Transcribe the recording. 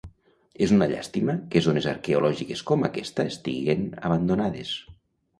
És una llàstima que zones arqueològiques com aquesta estiguen abandonades.